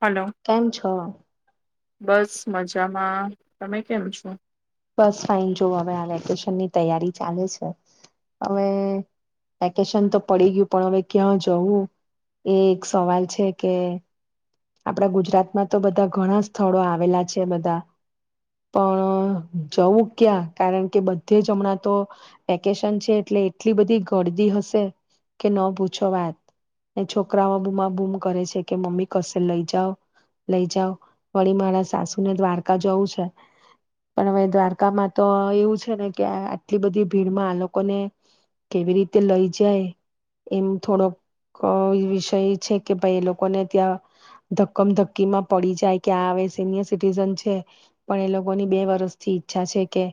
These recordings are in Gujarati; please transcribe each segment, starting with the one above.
હલો કેમ છો? બસ મજામાં, તમે કેમ છો? બસ ફાઇન જો હવે આ વેકેશનની તૈયારી ચાલે છે, હવે વેકેશન તો પડી ગયું પણ હવે ક્યાં જવું, એ એક સવાલ છે કે આપડા ગુજરાતમાં તો બધા ઘણા સ્થળો આવેલા છે, બધા પણ જવું ક્યાં? કારણ કે બધે જ હમણાં તો, વેકેશન છે એટલે એટલી બધી ગડદી હશે કે ન પૂછો વાત, ને છોકરાઓ બૂમા બૂમ કરે છે કે મમ્મી કશે લઈ જાઓ, લઈ જાવ. વળી મારા સાસુને દ્વારકા જવું છે. પણ હવે દ્વારકામાં તો એવું છે ને કે આટલી બધી ભીડમાં આ લોકોને, કેવી રીતે લઈ જાય, એમ થોડોક વિષય છે કે ભાઈ, એ લોકોને ત્યાં, ધક્કમ ધક્કી માં પડી જાય કે આ હવે સિનિયર સિટીઝન છે, પણ એ લોકોની બે વરી સરસથી ઈચ્છા છે કે,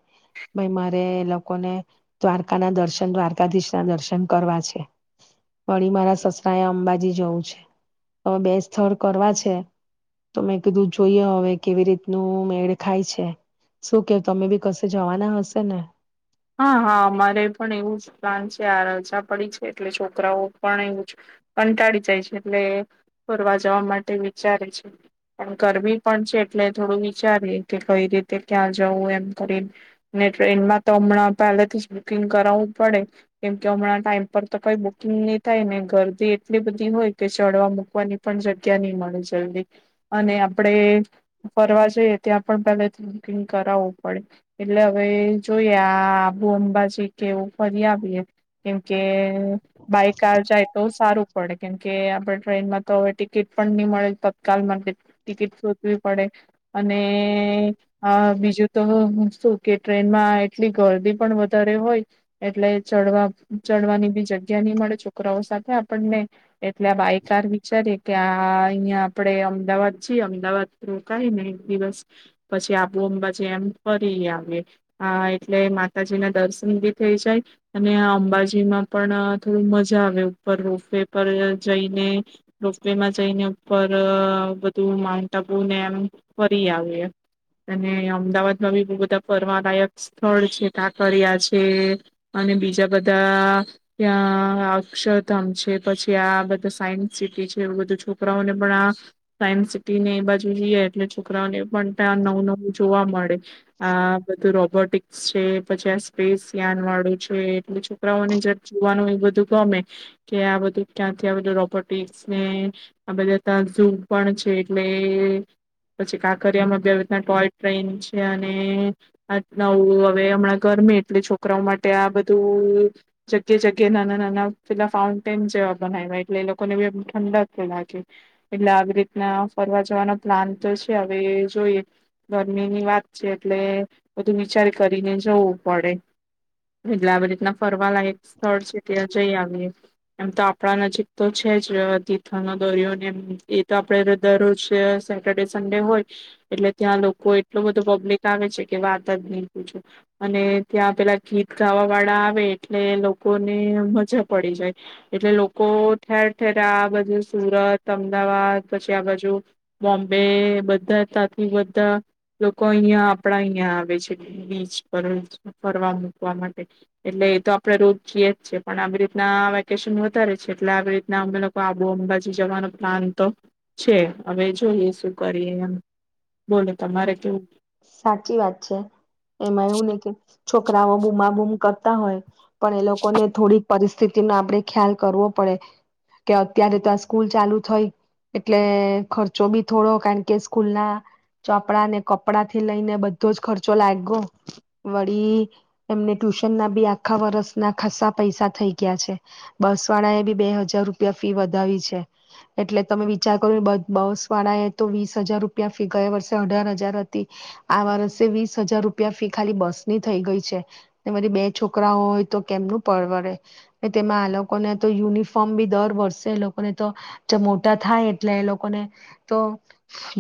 ભાઈ, મારે લોકોને દ્વારકા ના દર્શન દ્વારકાધીશ ના દર્શન કરવા છે, વળી મારા સસરા એ અંબાજી જવું છે, હવે બે સ્થળ કરવા છે, તો મેં કીધું જોઈએ હવે કેવી રીતનું મેળ ખાય છે. શું કેવ તમે બી કશે જવાના હશે ને? હા હા અમારે પણ એવું જ પ્લાન છે આ રજા પડી છે એટલે છોકરાઓ પણ એવું કંટાળી જાય છે, એટલે ફરવા જવા માટે વિચારે છે, ગરમી પણ છે એટલે થોડું વિચારી કે કઈ રીતે ક્યાં જવું એમ કરી, ટ્રેનમાં તો હમણાં પહેલેથી જ બુકિંગ કરાવવું પડે, કેમ કે હમણાં ટાઈમ પર તો કઈ બુકિંગ નહી થાય ને ગરદી એટલી બધી હોય કે ચડવા મૂકવાની પણ જગ્યા નહી મળે જલ્દી, અને આપણે ફરવા જઈએ ત્યાં પણ પહેલેથી બુકિંગ કરાવવું પડે, એટલે હવે જોઈએ આ આબુ અંબાજી કે એવું ફરી આવીએ, કેમકે બાય કાર જાય તો સારું પડે કેમકે આપડ ટ્રેનમાં તો હવે ટિકિટ પણ નહી મળે તત્કાલ માટે ટિકિટ શોધવી પડે, અને બીજું તો શું કે ટ્રેન એટલી ગરદી પણ વધારે હોય, એટલે ચડવા ચડવાની બી જગ્યા નહી મળે છોકરાઓ સાથે આપણને, એટલે આ બાયકાર વિચારીએ કે આ અહીયાં આપણેે અમદાવાદ છીએ અમદાવાદો કઈને એક દિવસ, પછી આઆબાછ એમ ફરી આવીએ. હ એટલે માતાજી ના દર્શન બી થઈ જાય, અને અંબાજીમાં પણ થોડું મજા આવે ઉપર રોફવે પર જઈને, રોફવે માં જઈને ઉપર બધું માઉન્ટ આબુ ને એમ ફરી આવીએ અને અમદાવાદમાં બી બ બધા ફરવા ાયક સ્થળ છે કાકરિયા છે, અને બીજા બધા ત્યાં અક્ષરધામ છે પછી આ બધા સાયન્સ સિટી છે એું બધું છોકરાઓને પણ આ,. સાયન્સ સિટીને એ બાજુ જઈએ એટલે છોકરાઓને પણ ત્યાં નવું નવું જોવા મળે આ રોબોટિક્સ છે પછી આ સ્પેસ યાન વાળું છે એટલે છોકરાઓને જ જોવાનું એ બધું ગમે, કે આ બધું ક્યાંથી આ બધું રોબોટસ ને આ બધા ત્યાં ઝૂ પણ છે એટલે, પછી કાકરિયામાં રીતના ટોય ટ્રેન છે અને આ ન હવે હમણાં ગરમી એટલે છોકરાઓ માટે આ બધું, જગ્યા જગ્યા નાના નાના પેલા ફાઉન્ટેન જેવા બનાવ્યા એટલે એ લોકોને બી એમ ઠંડાક કે લાગે, એટલે આવી રીતના ફરવા જવાનો પ્લાન તો છે હવે જોઈએ, ગરમીની વાત છે એટલે બધું વિચાર કરીને જવું પડે, એટલે આવી રીતના ફ કરવા લાયક સ્થળ છે ત્યાં જઈ આવીએ. એમ તો આપણા નજીક તો છે જ તીથનો દોરયો ને એ એ તો આપડે દરરોજ સેટરડે સન્ડે હોય, એટલે ત્યાં લોકો એટલું બધો પબ્લિક આવે છે કે વાત જ નહી પૂછું, અને ત્યાં પેલા ગીત ગાવા વાળા આવે એટલે લોકોને મજા પડી જાય, એટલે લોકો ઠેર ઠેર આ સુરત, અમદાવાદ પછી આ બાજુ, બોમ્બે બધા તથી બધા લોકો અહિયાં આપડા અહિયાં આવે છે, બીચ પર ફરવા મુૂકવા માટે, એટલે એ તો આપડે રોજએ જ છે પણ આવી રીતના વેકેશન વધારે છે એટલે આવી રીતના અમે લોકો આબુ અંબાજી જવાનો પ્લાન તો છે હવે જોઈએ શું કરીએ એમ. બોલો તમારે કેવું? સાચી વાત છે, એમાં એવું નહ કે છોકરાઓ બુમા બૂમ કરતા હોય. પણ એ લોકો ને થોડીક પરિસ્થિતિ નો આપણે ખ્યાલ કરવો પડે, કે અત્યારે તો આ સ્કૂલ ચાલુ થઈ એટલે ખર્ચો બી થોડો કારણ કે સ્કૂલ ના ચોપડા ને કપડા થી લઈને બધો જ ખર્ચો લાગ્યો, વળી એમને ટ્યુશન ના બી આખા વર્ષના ખાસ્સા પૈસા થઈ ગયા છે, બસ વાળા એ બી બે હજાર રૂપિયા ફી વધાવી છે, એટલે તમે વિચાર કરો બસ વાળા એ તો વીસ હજાર રૂપિયા ફી ગયા વર્ષે અઢાર હજાર હતી, આ વર્ષે વીસ હજાર રૂપિયા ફી ખાલી બસની થઈ ગઈ છે, બધ બે છોકરાઓ હોય તો કેમનું પરવડે, તેમાં આ લોકોને તો યુનિફોર્મ બી દર વર્ષે એ લોકોને તો, જે મોટા થાય એટલે એ લોકોને તો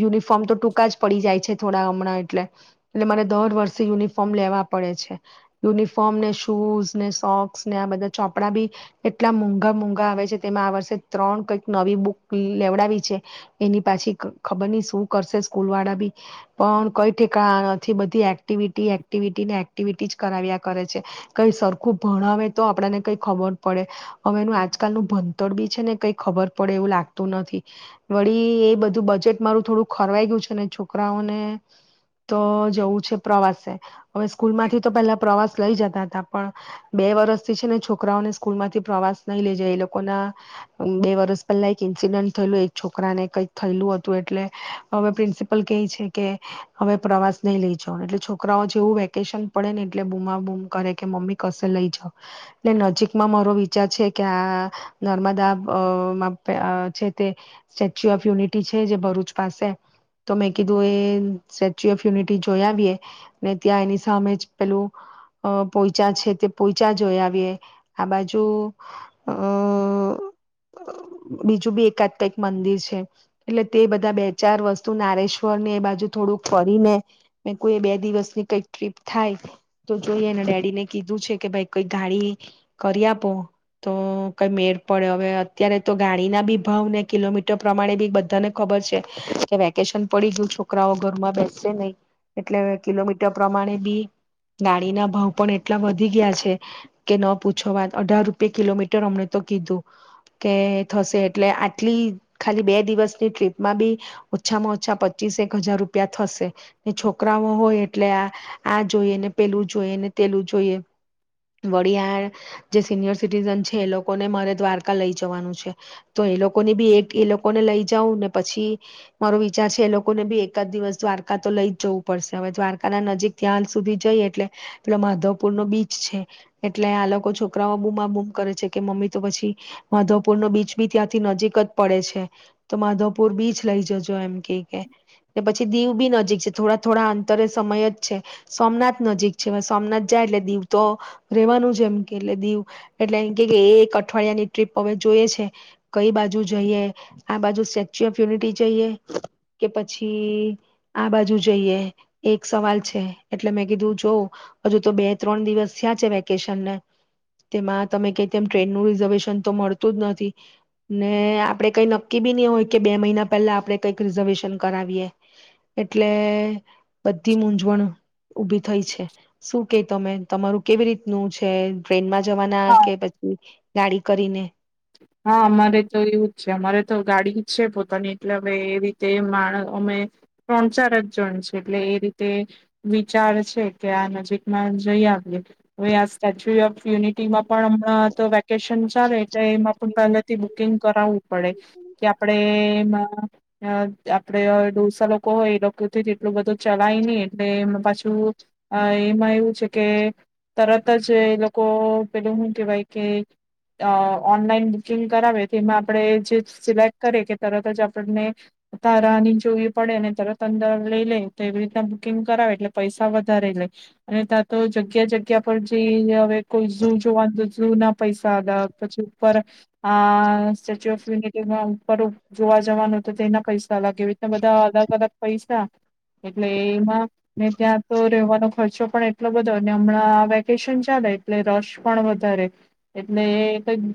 યુનિફોર્મ તો ટૂંકા જ પડી જાય છે થોડા હમણાં એટલે એટલે, મારે દર વર્ષે યુનિફોર્મ લેવા પડે છે, યુનિફોર્મ ને શૂઝ ને સોક્સ ને આ બધા ચોપડા બી, એટલા મોંઘા મોૂઘા આવે છે તેમાં આ વર્ષે ત્રણ કઈક નવી બુક લેવડાવી છે, એની પાછી ખબર નહી શું કરશે લળ બી, પણ કઈ ઠેકા નથી બધી એક્ટિવિટી એક્ટિવિટી ને એક્ટિવિટી જ કરાવ્યા કરે છે, કઈ સરખું ભણાવે તો આપને કઈ ખબર પડે, હવે એનું આજકાલ ન ભણતર બી છે ને કઈ ખબર પડે એવું લાગતું નથી, વળી એ બધું બજેટ મારું થોડું ખરવાઈ ગયું છે છોકરાઓને તો જવું છે પ્રવાસે. હવે સ્કૂલ માંથી તો પેલા પ્રવાસ લઈ જતા હતા પણ, બે વર્સથી છે ને છોકરાઓને સ્કૂલ માંથી પ્રવાસ નહી લેજાય એ લોકોના, બે વર્સ પહેલા એક ઇન્સિડન્ટ થયેું એક છોકરાને કઈક થયેલું હતું એટલે, હવે પ્રિસપ કે, હવે પ્રવાસ નહી લઈ જાાવ એટલે છોકરાઓ જેવું વેકેશન પડે ને એટલે બુમા બૂમ કરે કે મમ્મી કશે લઈ જાવ, એટ નજીકમાં મારો વિચાર છે કે આ નર્મદામાં છે તે, સ્ટેચ્યુ ઓફ યુનિટી છે જે ભરૂચ પાસે. તો મેં કીધું એ સ્ટેચ્યુ ઓફ યુનિટી જોઈ આવીએ, ને ત્યાં એની સામે પેલું પોઈચા છે તે પોઈચા જોઈ આવીએ, આ બાજુ અ બીજું બી એકાત્મિક મંદિર છે, એટલે તે બધા બે ચાર વસ્તુ તું નારેશ્વર ને એ બાજુ થોડુંક કરીને, મેં કોઈ બે દિવસની કઈક ટ્રીપ થાય તો જોઈ એને ડેડીને કીધું છે કે ભાઈ કઈક ગાડી, કરી આપો તો કઈ મેર પડે હવે અત્યારે તો ગાડી ના બી ભાવ ને કિલોમીટર પ્રમાણે બી બધાને ખબર છે, કે પડી ગયું છોકરાઓ ઘરમાં બેસે નહી, એટલે કિલોમીટર પ્રમાણે બી ગાડીના ભાવ પણ એટલા વધી ગયા છે, કે ન પૂછો વાત અઢાર રૂપય કિલોમીટર અમને તો કીધું, કે થશે એટલે આટલી ખાલી બે દિવસની ટ્રીપમાં બી. ઓછામાં ઓછા પચીસ એક હજાર રૂપિયા થશે, છોકરાઓ હોય એટલે આ આ જોઈએ ને પેલું જોઈ ને પેલું જોઈએ, વળિયાળ જે સિનિયર સિટીઝન છે એ લોકોને મારે દ્વારકા લઈ જવાનું છે, તો એ લોકોને બી એક એ લોકોને લઈ જવું ને પછી મારો વિચાર છે એ લોકોને બી એકદ દિવસ દ્વારકા તો લઈ જ જવું પડશે હવે દ્વારકા ના નજીક ત્યાંલ સુધી જઈ એટલે, પેલો માધવપુર નો બીચ છે, એટલે આ લોકો છોકરાઓ બુમાબૂમ કરે છે કે મમ્મી તો પછી માધવપુર નો બીચ બી ત્યાંથી નજીક જ પડે છે, તો માધવપુર બીચ લઈ જજો મ કે પછી દીવ બી નજીક છે થોડા થોડા અંતરે સમય જ છે સોમનાથ નજીક છે હવે સોમનાથ જાય એટલે દીવ તો રેવાનું છે એમ કે એટલે દીવ એટલે એમ કે એક અઠવાડિયા ની ટ્રીપ હવે જોઈએ છે કઈ બાજુ જઈએ આ બાજુ સ્ટેચ્યુ ઓફ યુનિટી જઈએ. કે પછી આ બાજુ જઈએ, એક સવાલ છે એટલે મેં કીધું જોવ હજુ તો બે ત્રણ દિવસ થયા છે વેકેશનને, તેમાં તમે ક તેમ ટ્રેન નું રિઝર્વેશન તો મળતું જ નથી, ને આપડે કઈ નક્કી બી નહ હોય કે બે મહિના પહેલા આપણે કઈક રિઝર્વેશન કરાવીએ, એટલે બધી મૂઝવણ ઉભી થઈ છે, શું કે તમે તમારું કેવી રીતનું છે ટ્રેનમાં જવાના હા કે પછી ગાડી કરીને હા અમારે તો એવું જ છે અમારે તો ગાડી છે પોતાની એટલે હવે એ રીતે મા અમે ત્રણ ચાર જ જણ છે એટલે એ રીતે વિચાર છે કે આ નજીકમાં જઈ આવીએ હવે આ સ્ટેચ્યુ ઓફ યુનિટીમાં પણ હમણાં તો વે વકેશન ચાલે પણ પહેલાથી બુકિંગ કરાવવું પડે કે આપડે એમાં આપડે ડોસા લોકો હોય એ લોકો જેટલું બધું ચલાય નહી એટલે એમાં પાછું એમાં એવું છે કે તરત જ એ લોકો પેલું હુ કેહેવાય કે અ ઓનલાઈન બુકિંગ કરાવે તો એમાં આપણે જે સિલેક્ટ કરીએ કે તરત જ આપણને ત રાહની જોવી પડે અને તરત અંદર લઈ લે તો એવી રીતના બુકિંગ કરાવે એટલે પૈસા વધારે લે અને ત્યાં તો જગ્યા જગ્યા પર જે હવે કોઈ ઝૂ જોવાનું તો ઝુ ના પૈસા અલગ પછી ઉપર આ સ્ટેચ્ય ઓફયુિટીમાં જોવા જવાનું તો તેના પૈસા અલગ એવી રીતના બધા અલગ અલગ પૈસા એટલે એમાં ને ત્યાં તો રેવાનો ખર્ચો પણ એટલો બધો અને હમણાં વેકેશન ચાલે એટલે રસ પણ વધારે એટલે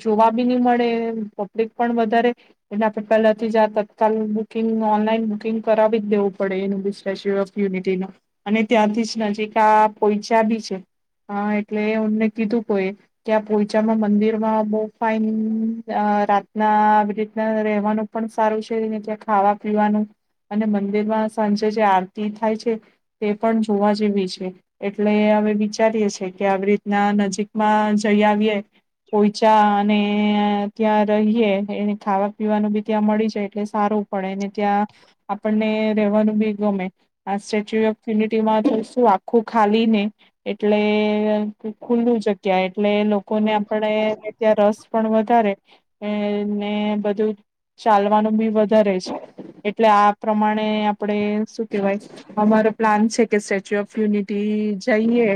કઈ જોવા બી નહી મળે પબ્લિક પણ વધારે એના પહેલાથી જ આ તત્કાલ બુકિંગ ઓનલાઈન બુકિંગ કરાવી જ દેવું પડે એનું બી સ્ટેચ્યુ ઓફ યુનિટી નું અને ત્યાંથી જ નજીક આ પોઈચા બી છે એટલે અમને કીધું કો એ કે આ પોઈચામાં મંદિરમાં બહ ફાઇન રાતના આવી રીતના રહેવાનું પણ સારું છે ત્યાં ખાવા પીવાનું અને મંદિરમાં સાંજે જે આરતી થાય છે તે પણ જોવા જેવી છે એટલે અવે વિચારીએ છેએ કે આવી રીતના નજીકમાં જઈ આવીએ પોઈચા ને ત્યાં રહીએ એ ખાવા પીવાનું બી ત્યાં મળી જાય એટલે સારું પડે ત્યાં આપણને રેવાનું બી ગમે આ સ્ટેચ્યુ ઓફ યુનિટીમાં તો શું આખું ખાલી ને એટલે ખુલ્લું જગ્યા એટલે લોકોને આપણે રસ પણ વધારે એ ને બધું ચાલવાનું બી વધારે છે એટલે આ પ્રમાણે આપણે શું કેહેવાય અમારો પ્લાન છે કે સ્ટેચ્યુ ઓફ યુનિટી જઈએ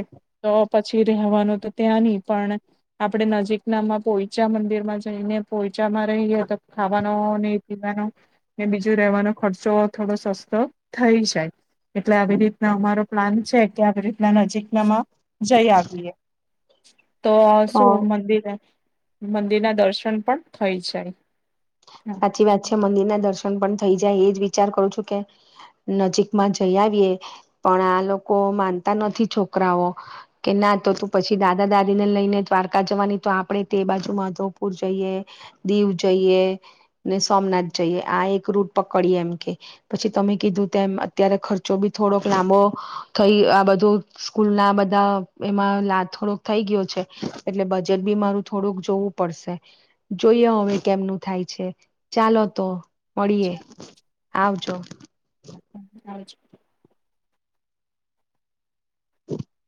તો પછી રહેવાનું તો ત્યાં નહી પણ આપણે નજીક નામાં પોઈચા મંદિર માં જઈને પોયચામાં રહીએ તો ખાવાનો ને પીવાનો ને બીજું રેવાનો ખર્ચો થોડો સસ્તો થઈ જાય એટલે આવી રીતના અમારો પ્લાન છે કે આવી રીતના નજીક નામાં જઈ આવીએ તો તો શું મંદિર મંદિરના દર્શન પણ થઈ જાય હા, સાચી વાત છે મંદિરના દર્શન પણ થઈ જાય એજ વિચાર કરું છું કે નજીક માં જઈ આવીએ પણ આ લોકો માનતા નથી છોકરાઓ કે ના તો તું પછી દાદા દાદી ને લઈને દ્વારકા જવાની તો આપડે તે બાજુ માધવપુર જઈએ દીવ જઈએ ને સોમનાથ જઈએ આ એક રૂટ પકડીએ એમ કે પછી તમે કીધું તેમ અત્યારે ખર્ચો બી થોડોક લાંબો થઈ આ બધો સ્કૂલ ના બધા એમાં લા થોડોક થઈ ગયો છે. એટલે બજેટ બી મારું થોડુંક જોવું પડશે જોઈએ હવે કેમનું થાય છે. ચાલો તો મળીએે. આવજો. આવજો [inaudible]